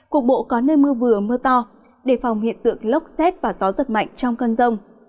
cục bộ có nơi mưa vừa mưa to đề phòng hiện tượng lốc xét và gió giật mạnh trong cơn rông